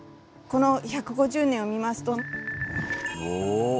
この１５０年を見ますと。